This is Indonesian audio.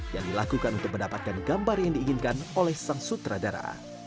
yang dilakukan untuk mendapatkan gambar yang diinginkan oleh sang sutradara